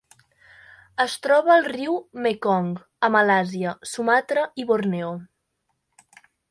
Es troba al riu Mekong, a Malàisia, Sumatra i Borneo.